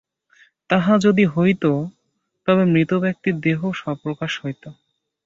তাহা যদি হইত, তবে মৃত ব্যক্তির দেহও স্বপ্রকাশ হইত।